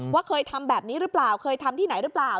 ว่าเคยทำแบบนี้หรือเปล่าเคยทำที่ไหนหรือเปล่า